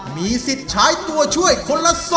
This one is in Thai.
มีสิทธิ์ใช้ตัวช่วยคนละ๒